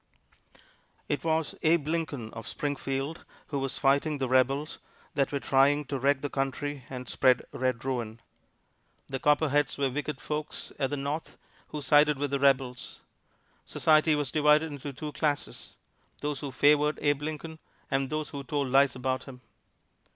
It was Abe Lincoln of Springfield who was fighting the Rebels that were trying to wreck the country and spread red ruin. The Copperheads were wicked folks at the North who sided with the Rebels. Society was divided into two classes: those who favored Abe Lincoln, and those who told lies about him.